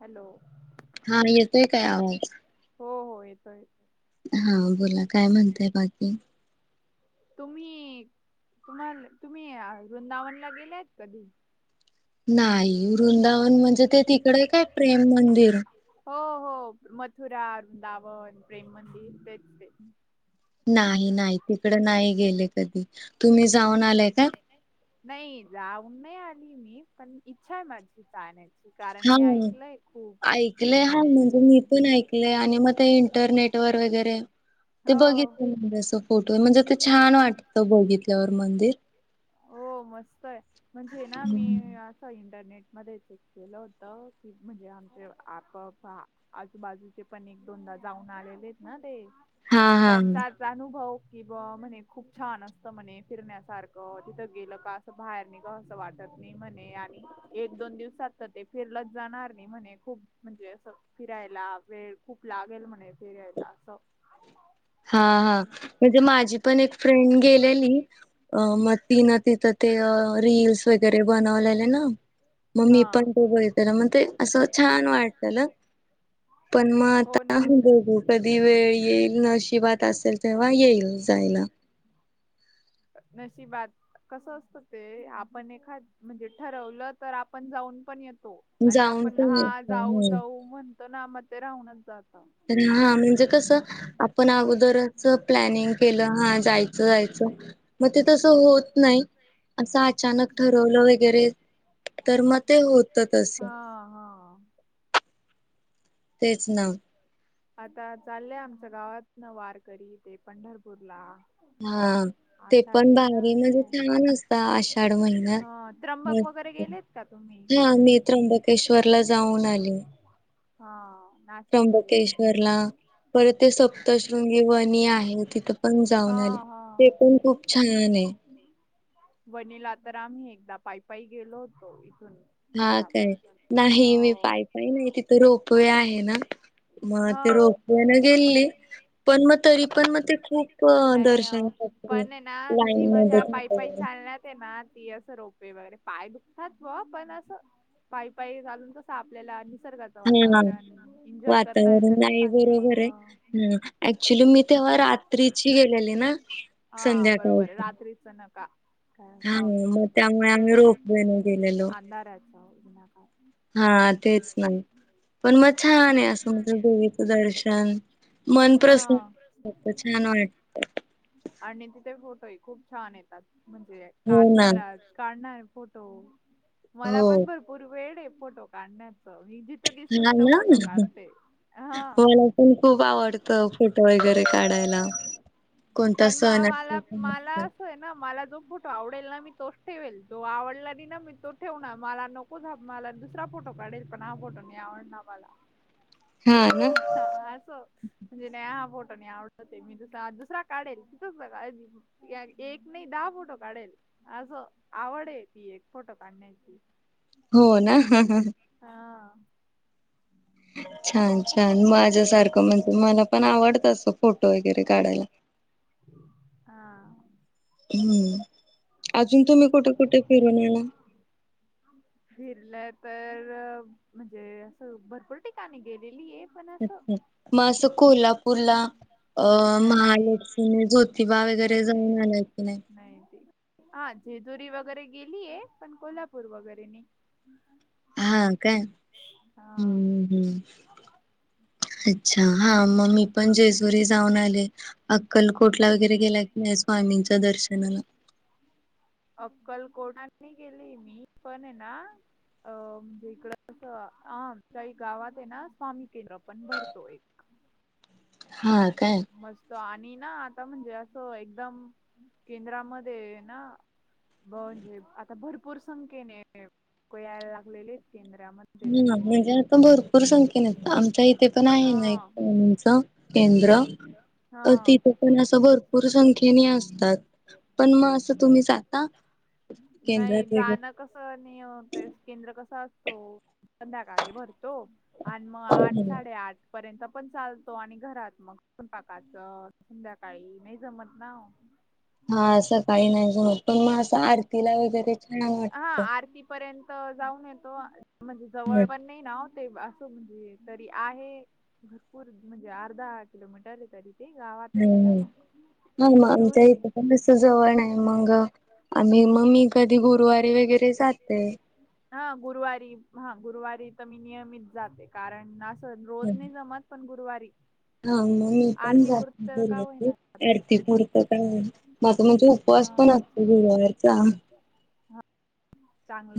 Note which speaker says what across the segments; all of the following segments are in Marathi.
Speaker 1: हॅलो,
Speaker 2: हा येतोय काय आवाज
Speaker 1: हो हो येतोय.
Speaker 2: हा बोला काय म्हणताय बाकी?
Speaker 1: तुम्ही तुम्हाला तुम्ही आ वृंदावनला गेलायत कधी?
Speaker 2: नाही. वृंदावन म्हणजे ते तिकडे काय प्रेम मंदिर?
Speaker 1: हो हो. मथुरा, वृंदावन, प्रेम मंदिर तेच ते.
Speaker 2: नाही नाही. तिकड नाही गेले कधी. तुम्ही जाऊन आलाय का?
Speaker 1: नाही जाऊन नाही आली मी. पण इच्छा आहे माझी जाण्याच ची. कारण
Speaker 2: हा
Speaker 1: मी ऐकलंय खूप प्रेम मंदिर,
Speaker 2: कलय आणि मग ते इंटरनेट वर वैगेरे ते
Speaker 1: हो
Speaker 2: बघितलं ते असं फेटो. म्हणजे ते छान वाटतं बघितल्यावर मंदिर.
Speaker 1: हो मस्त आहे. म्हणजे ना मी असं इंटरनेट मध्ये चेक केलं होत, की म्हणजे आमचे आप प बा आजूबाजूचे पण एक दोनदा जाऊन आलेलेत ना ते.
Speaker 2: हा
Speaker 1: मग
Speaker 2: हा
Speaker 1: त्यांचा अनुभव की बुवा म्हणे खूप छान असत म्हणे फिरण्यासारखं. तिथं गेलं का असं बाहेर निघावंसं असं वाटत नाही म्हणे. आणि एक दोन दिवसात तर ते फिरलच जाणार नाही म्हणे. खूप म्हणजे असं फिरायला वेळ खूप लागेल म्हणे फिरायला असं.
Speaker 2: हा हा. म्हण जे माझी पण एक फ्रेंड गेलेली. अ म ती न तिथ ते ऱील्स वगैरे बनवलेले ना मग मी
Speaker 1: हा
Speaker 2: पण तो बघित ना मग ते असं छान वाटत ना पण मग
Speaker 1: हो
Speaker 2: आता
Speaker 1: ना.
Speaker 2: बघू कधी वेळी येईल नशिबात असेल तेव्हा येईल जायला
Speaker 1: नशिबात कसं असतं ते आपण एखाद म्हणजे ठरवलं तर आपण जाऊन पण येतो आणि
Speaker 2: जाऊन
Speaker 1: आपण
Speaker 2: पण
Speaker 1: हा
Speaker 2: येतो
Speaker 1: जाऊ
Speaker 2: हम्म.
Speaker 1: जाऊ म्हणतो ना मग ते राहूनच जात
Speaker 2: तर हा म्हणजे कसं आपण अगोदरच प्लॅनिंग केलं हा जायचं जायचं मग ते तस होत नाही असं अचानक ठरवलं वगैरे तर मग ते होत असे
Speaker 1: हा हा.
Speaker 2: तेच ना
Speaker 1: आता चाललंय आमच्या गावातन वारकरी ते पंढरपूरला
Speaker 2: हा
Speaker 1: आ
Speaker 2: ते पण
Speaker 1: शाडी र
Speaker 2: भारी
Speaker 1: नाश
Speaker 2: म्हणजे छान असत आषाढ महिन्यात.
Speaker 1: ह त्र्यंबक
Speaker 2: मस्त.
Speaker 1: वगैरे गेलेत ता तुम्ही
Speaker 2: हा मी
Speaker 1: कधी
Speaker 2: त्र्यंबकेश्वरला जाऊन आले.
Speaker 1: हा नाशिक मध्ये
Speaker 2: ला पर ते सप्तशृंगी वनी आहे तिथ पण
Speaker 1: हा
Speaker 2: जाऊन आले.
Speaker 1: हा
Speaker 2: ते पण खूप छान आहे
Speaker 1: वनीला तर आम्ही एकदा पायपायी गेलो होतो इथून
Speaker 2: हा काय
Speaker 1: घरापासून
Speaker 2: नाही मी
Speaker 1: हो.
Speaker 2: पायपाय नाही तिथं रोपवे आहे ना मग
Speaker 1: हा
Speaker 2: ते रोप्यान गेली पण मग तरी पण मग ते खूप
Speaker 1: नाही अ
Speaker 2: दर्शनासाठी
Speaker 1: पण आहे ना
Speaker 2: लाईन
Speaker 1: जी
Speaker 2: मध्ये
Speaker 1: मजा पायी
Speaker 2: थांबायला
Speaker 1: पायी
Speaker 2: लागते
Speaker 1: चालण्यात ना ती असं रोपे वगैरे पाय दुखतात व पण असं पाय पाय घालून तस आपल्याला निसर्गाचं
Speaker 2: हा
Speaker 1: वातावरण एन्जॉय करत य
Speaker 2: वातावरण
Speaker 1: ना
Speaker 2: नाही
Speaker 1: चांगलं
Speaker 2: बरोबर आहे.
Speaker 1: ह
Speaker 2: ह ऍक्च्युली मी तेव्हा रात्रीची गेलेली ना
Speaker 1: हा बरोबर आहे
Speaker 2: संध्याकाळची
Speaker 1: रात्रीच नका का
Speaker 2: हा
Speaker 1: पावसा
Speaker 2: मग
Speaker 1: पा
Speaker 2: त्यामुळे आम्ही रोपवे न गेलेलो
Speaker 1: अंधाराचा विनाकारण
Speaker 2: हा तेच नाही पण मग छान आहे असं म्ह देवीचं दर्शन मन प्रसन्न होत छान वाट
Speaker 1: ना आणि तिथे फोटोही खूप छान येतात म्हणजे
Speaker 2: हो ना
Speaker 1: काढणार काढणार फोटो मला
Speaker 2: हो
Speaker 1: पण भरपूर वेळ आहे फोटो काढण्यात मी जिथं दिसल
Speaker 2: हा
Speaker 1: तिथं
Speaker 2: ना
Speaker 1: फोटो
Speaker 2: मला
Speaker 1: काढते हा
Speaker 2: पण खूप आवडतं फोटो वगैरे काढायला कोणता
Speaker 1: पण म
Speaker 2: सण
Speaker 1: मला
Speaker 2: असेल
Speaker 1: मला
Speaker 2: काय असो.
Speaker 1: असं आहे ना मला दोन कुठ आवडेल ना मी तोच ठेवेल जो आवडला नाही ना मी तो ठेवणार मला नको मला दुस दुसरा फोटो कााडीरप ना फोटो नेणणा पला
Speaker 2: हा ना
Speaker 1: ह असं म्हणजे नाही हा फोटो नाही आवडत मी दुसरा दुसरा काढेल तिथंच काळजी एक नाही दहा फोटो काढेल असं आवड आहे ती एक फोटो काढण्याची
Speaker 2: हो ना
Speaker 1: हा
Speaker 2: छान छान माझ्या सारखं म्हणजे मला पण आवडत अस फोटो वगैरे काढायला
Speaker 1: हा
Speaker 2: हम्म अजून तुम्ही कुठे कुठे फिरून आणला
Speaker 1: फिरलंय तर म्हणजे असं भरपूर ठिकाणी गेलेली आहे पण असं
Speaker 2: अच्छा मग असं कोल्हापूरला अ
Speaker 1: नाही
Speaker 2: महालक्ष्मी ज्योतिबा
Speaker 1: नाही
Speaker 2: वगैरे
Speaker 1: नाही
Speaker 2: जाऊन आलाय की नाही
Speaker 1: हा जेजुरी वगैरे गेलीय पण कोल्हापूर वगैरे न
Speaker 2: हा काय हम्म हम्म अच्छा हा मग मी पण जेसुरी जाऊन आले अक्कलकोटला वगैरे गेला की नाही स्वामींच्या दर्शनाला
Speaker 1: अक्कल कोटला गेली मी पण आहे ना. अ म्हणजे इकडं आमच्या गावात आहे ना स्वामी केंद्र पण भरतो एक.
Speaker 2: हा काय?
Speaker 1: मस्त आणि ना आता म्हणजे असं एकदम केंद्रामध्ये ना. ब म्हणजे आता भरपूर संख्येने को यायला लागलेले आहेत केंद्रामध्ये.
Speaker 2: ह म्हणजे आता भरपूर संख्येने येत आमच्या इ पण आहे
Speaker 1: हा
Speaker 2: ना एकच केंद्र
Speaker 1: हा
Speaker 2: तिथे. पण असं भरपूर संख्येने असतात पण मग असं तुम्ही जात केंद्रात वेग.
Speaker 1: कस नियमते केंद्र कस असतो संध्याकाळी भरतो. आणि मग आठ साडेआठ. पर्यंत पण चालतो आणि घरात मगण पाकाचं संध्याकाळी नाही जमत ना. [inaudible]
Speaker 2: हा असं काही नाहीच न पण मग असं. आरतीला वगैरे छान
Speaker 1: हा
Speaker 2: वाटतं.
Speaker 1: आरती पर्यंत जाऊन येतो म्हणजे जवळ
Speaker 2: हम्म
Speaker 1: पण नाही ना होते असं म्हणजे तरी आहे. भरपूर म्हणजे अर्धा किलोमीटर आहे तरी ते गावात ना
Speaker 2: हम्म
Speaker 1: ना दूरे.
Speaker 2: जवण आहे मग आणि मग मी कधी गुरुवारी वगैरे जाते.
Speaker 1: हा गुरुवारी हा गुरुवारी तर मी नियमित जाते कारण असं रोज नाही जमत पण गुरुवारी.
Speaker 2: हा मग मी पण
Speaker 1: आरती
Speaker 2: जास्
Speaker 1: पुरतं का
Speaker 2: बोलते
Speaker 1: होईना ते पण
Speaker 2: अरतीपुरतं काय. माझा म्हणजे
Speaker 1: हा
Speaker 2: उपवास पण असतो गर्याचा
Speaker 1: हा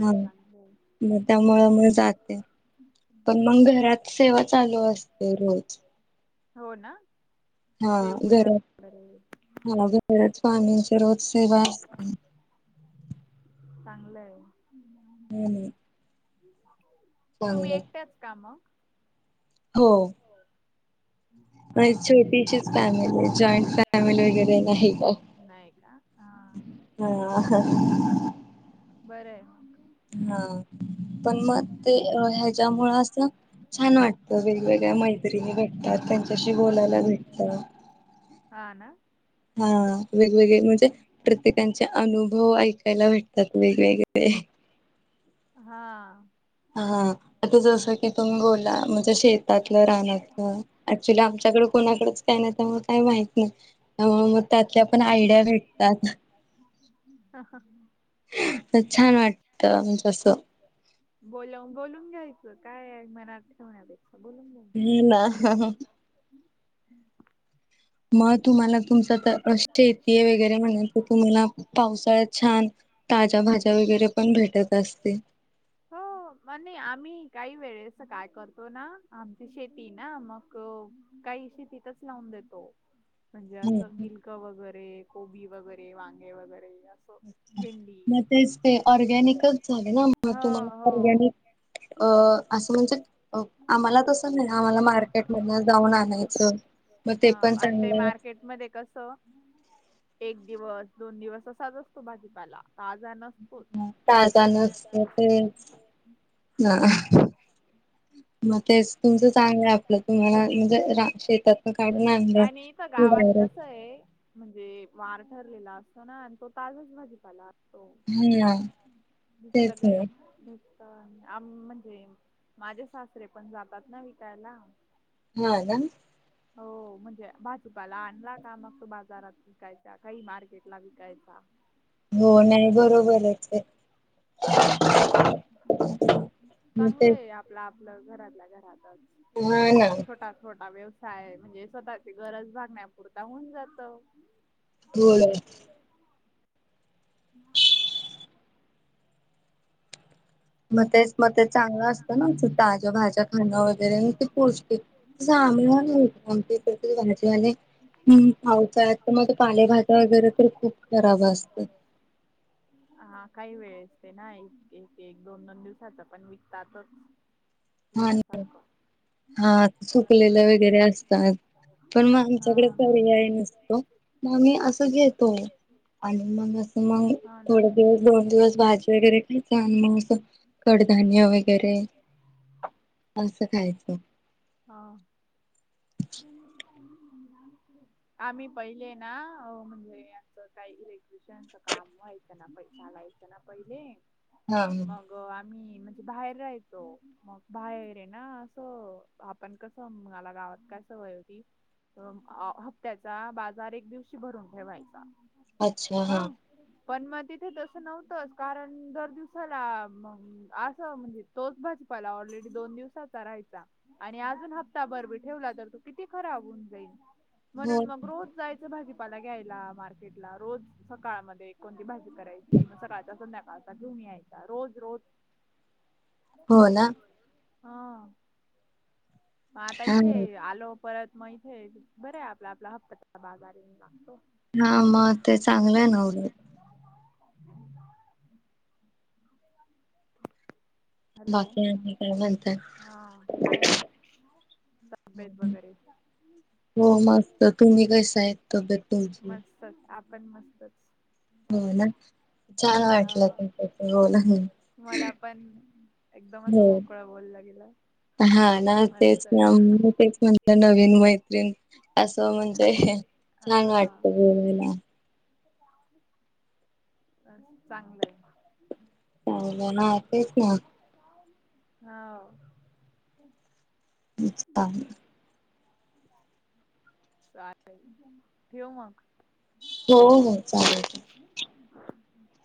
Speaker 2: हा
Speaker 1: चांगलंय
Speaker 2: मग त्यामु मग जातते. पण मग घरात सेवा चालू असते रोज
Speaker 1: हो ना.
Speaker 2: हा
Speaker 1: देवपूजा
Speaker 2: घरात
Speaker 1: वगैरे
Speaker 2: हा घरात पाणींची रोज सेवा असते.
Speaker 1: चांगलंय.
Speaker 2: नाही नाही.
Speaker 1: तुम्ही एकट्याच काम.
Speaker 2: हो.
Speaker 1: हा
Speaker 2: छोटीशीच फॅमिली जॉईंट फॅमिली वगैरे नाही का.
Speaker 1: नाही हा.
Speaker 2: हा.
Speaker 1: बरं आहे. मग
Speaker 2: हा पण मग ते ह्याच्यामु अस छान वाटतं वेगवेगळ्या मैत्रिणी भेटतात त्यांच्याशी बोलायला भेटत.
Speaker 1: हा ना.
Speaker 2: हम. वेगवेगळे म्हणजे प्रत्येकांचे अनुभव ऐकायला भेटतात वेगवेगळे
Speaker 1: हा.
Speaker 2: हा आता जसं की तुम्ही गोला म्हणजे शेतातलं रानातलं. क्च्युली आमच्याकडे कोणाकडेच काय नाही त्यामुळे काही माहत नाही. मग त्यातल्या पण आयडिया भेटतात.
Speaker 1: [unintelligible]
Speaker 2: छान वाटत म्हणज असं.
Speaker 1: बला बोलून घ्यायचं काय मनाथ होण्यापेक्षा बोलून घ्यायच.
Speaker 2: ह ना. मग तुम्हाला तुमच तर शेती आहे वगैरे म्हणा क तुम्हाला पावसाळ्यात छान ताज्या भाज्या वगैरे, पण भेटत असते.
Speaker 1: हो. म नाही आम्ही काही वेळेस काय करतो, ना आमची शेती ना मग काही शेतीतचं लावून देतो. म्हणजे असं गिलक वगैरे, कोबी वगैरे, वांगे वगैरे असं
Speaker 2: अ
Speaker 1: भेंडी
Speaker 2: मग तेच ते ऑर्गनिकच झाले, ना म
Speaker 1: हो
Speaker 2: तुम्हाला
Speaker 1: हो
Speaker 2: ऑर्गनिक अ असं म्हणजे? आम्हाला तसं नाही आम्हाला, मार्केट मधन जाऊन आणायचं. मग ते पण चांगलं
Speaker 1: मध्ये कस एक दिवस, दोन दिवस असाच असतो भाजीपाला. ताज न
Speaker 2: ताजा नसतोय, [unintelligible]
Speaker 1: [unintelligible]
Speaker 2: म तेच तुमचं चांगलं आहे आपलं तुम्हाला, म्हणजे रा शेतातनं काढून आणलं की डायरेक्ट
Speaker 1: कय म्हणजे वार ठरलेला असतो, ना आणि तो ताजाचं भाजीपाला. हो,
Speaker 2: हा
Speaker 1: इथं
Speaker 2: तेच
Speaker 1: लगेच
Speaker 2: ना
Speaker 1: [unintelligible] आम म्हणजे, माझे सासरे पण जातात ना विकायला.
Speaker 2: हा, ना.
Speaker 1: हो, म्हणजे भाजीपाला आणला, का मग तो बाजारात विकायचा काही मार्केटला विकायचा.
Speaker 2: हो, नाही बरोबरचं [unintelligible]
Speaker 1: [unintelligible] ह
Speaker 2: मग ते
Speaker 1: चांगलंय आपलं आपलं घरातल्या घरातचं.
Speaker 2: व्हय.
Speaker 1: छोटा छोटा व्यवसाय म्हणजे, स्वतःची गरज भागण्या पुरता होऊन जातो.
Speaker 2: व्हय.
Speaker 1: म
Speaker 2: मग तेच मग ते चांगलं असतं, ना ताज्या भाज्या खाणं वगैरे ती पोष्ट चांगल मिळत्या, आणि तिकडची भाजी आणि. हम पावसाळ्या तर मग पालेभाजा वगैरे, तर खूप खराब असते.
Speaker 1: हा काही वेळ असते ना, एक -एक दोन- दोन दिवस. तसं पण विकतातच,
Speaker 2: आणि
Speaker 1: वेड्यासारखं
Speaker 2: हा सुकलेल्या वगैरे असतात, पण मग आमच्याकडे
Speaker 1: हा ना
Speaker 2: पर्याय नसतो. म मी असं घेतो. आणि मग असं मग
Speaker 1: हा ना
Speaker 2: थोडे, दिवस दोन दिवस भाजी वगैरे का धान्य [unintelligible] कडधान्य वगैरे असं खायचं.
Speaker 1: हा. [unintelligible] आम्ही पहिले ना अ म्हणजे, आमचं काही इलेक्ट्रिशियनच काम व्हा त्यांना पैसे आणायचं ना पहिले.
Speaker 2: हा ह.
Speaker 1: ग आम्ही म्हणजे, बाहेर राहायचो. मग बाहेर येना असं, आपण कसं मला गावात का सवय होती, हप्त्याचा बाजार एक दिवशी भरून ठेवायचा.
Speaker 2: अच्छा! हा.
Speaker 1: पण मग तिथे तसं नव्हतचं कारण, दर दिवसाला असं म्हणजे तोच भाजपाला ऑलरेडी दोन दिवसाचा राहायचा, आणि अजून हप्ताभर बी ठेवला तर त किती खराब होऊन जाईल,
Speaker 2: हो
Speaker 1: म्हणून मग रोज जायचं भाजीपाला घ्यायला मार्केटला रोज. सकाळमध्ये कोणती भाजी करायची, म सकाळचा संध्याकाळचा घेऊन यायचा रोज, रोज
Speaker 2: हो ना
Speaker 1: [inaudible] हा मा आता
Speaker 2: हा
Speaker 1: इथे आलो. परत मग इथे बरे आहे आपला आपला हप्प [unintelligible] बाजार येऊन लागतो.
Speaker 2: हा म ते चांगलं ये ना उलट.
Speaker 1: [unintelligible] हॅलो
Speaker 2: बाकी आणि काय म्हणताय
Speaker 1: हा काय नही. तब्येत वगैरे.
Speaker 2: हो मग तुम्ही कस आहेत, तब्येत तुमची.
Speaker 1: त आपण मस्तच.
Speaker 2: हो
Speaker 1: काय
Speaker 2: ना, छान वाटलं
Speaker 1: हो
Speaker 2: तुमच्याशी बोलून.
Speaker 1: मला पण एकदम असं
Speaker 2: हो
Speaker 1: मोकळं बोललं गेलं.
Speaker 2: हा ना तेच,
Speaker 1: मस्त
Speaker 2: तेच म्हणल, नवीन मैत्रीण. असं म्हणजे छान वाटत
Speaker 1: हा
Speaker 2: [unintelligible]
Speaker 1: [unintelligible] अ चांगलंये.
Speaker 2: चावलं ना तेच ना!
Speaker 1: हा!
Speaker 2: [unintelligible]
Speaker 1: चालेल ठेवू मग.
Speaker 2: हो, हो चालेल.
Speaker 1: [inaudible]